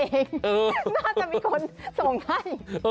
น่าจะมีคนส่งให้